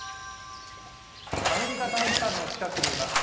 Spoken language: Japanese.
アメリカ大使館の近くにいます。